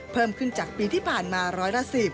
เพิ่มขึ้นจากปีที่ผ่านมาร้อยละ๑๐